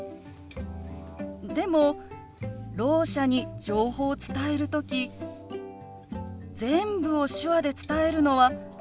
でもろう者に情報を伝える時全部を手話で伝えるのは難しいと思うの。